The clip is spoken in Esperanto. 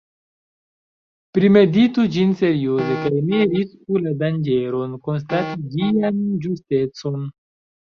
Primeditu ĝin serioze, kaj ne risku la danĝeron, konstati ĝian ĝustecon.